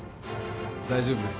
大丈夫です。